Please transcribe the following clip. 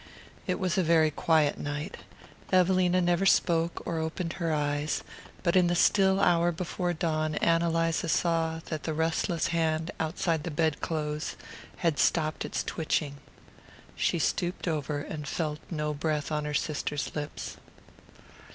It was a very quiet night. Evelina never spoke or opened her eyes, but in the still hour before dawn Ann Eliza saw that the restless hand outside the bed clothes had stopped its twitching. She stooped over and felt no breath on her sister's lips.